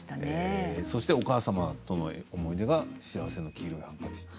お母様との思い出が幸せの黄色いハンカチ。